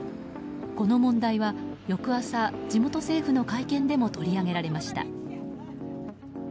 この問題は翌朝地元政府の会見でも取り上げられました。